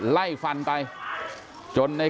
ไล่ฟันไปจนใน